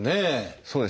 そうですね。